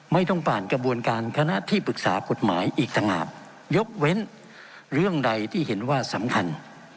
ไม่ต้องผ่านกระบวนการคณะที่ปรึกษากฎหมายอีกต่างหากยกเว้นเรื่องใดที่เห็นว่าสำคัญ